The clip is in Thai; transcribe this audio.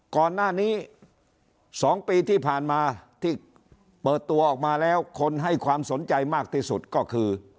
ก่อนหน้านี้๒ปีที่ผ่านมาที่เปิดตัวออกมาแล้วคนให้ความสนใจมากที่สุดก็คือ